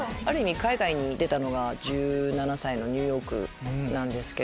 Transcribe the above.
海外に出たのが１７歳のニューヨークなんですけど。